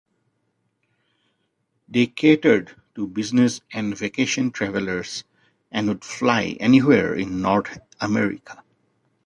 They catered to business and vacation travellers and would fly anywhere in North America.